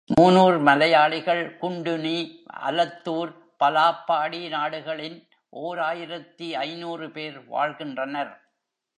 மூனூர் மலையாளிகள் குண்டுனி, அலத்தூர், பலாப்பாடி நாடுகளில் ஓர் ஆயிரத்து ஐநூறு பேர் வாழ்கின்றனர்.